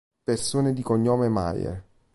Persone di cognome Mayer